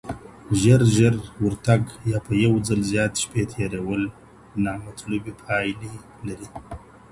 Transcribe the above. ژر - ژر ورتګ يا په يو ځل زياتې شپې تيرول نامطلوبي پايلي لري.